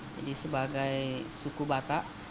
jadi sebagai suku batak